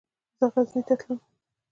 زه غزني ته تلم.